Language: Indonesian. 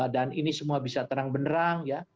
dan ini semua bisa terang benerang ya